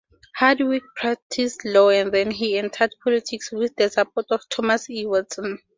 Hardwick practiced law and then entered politics with the support of Thomas E. Watson.